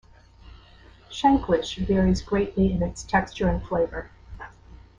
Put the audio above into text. Shanklish varies greatly in its texture and flavour.